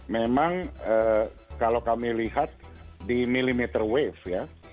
memang kalau kami lihat di milimeter wave ya